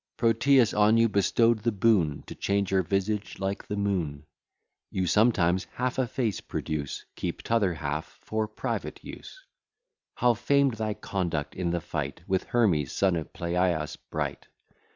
Proteus on you bestow'd the boon To change your visage like the moon; You sometimes half a face produce, Keep t'other half for private use. How famed thy conduct in the fight With Hermes, son of Pleias bright!